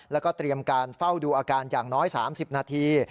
แล้วก็เตรียมการเฝ้าดูอาการอย่างน้อย๓๐นาที